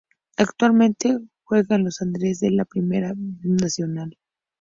Actualmente juega en Los Andres, de la Primera B Nacional.